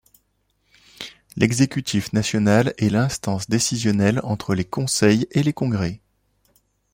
L’Exécutif national est l’instance décisionnelle entre les conseils et les congrès.